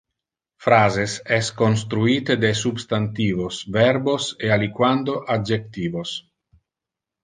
Phrases es construite de substantivos, verbos e aliquando adjectivos.